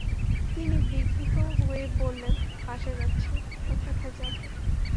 তিনি বিঘিত হয়ে বললেন, বাসায় যাচ্ছি, আর কোথায় যাব?